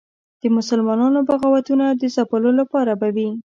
د مسلمانانو بغاوتونو د ځپلو لپاره به وي.